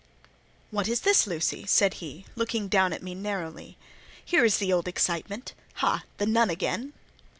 "What is this, Lucy?" said he, looking down at me narrowly. "Here is the old excitement. Ha! the nun again?"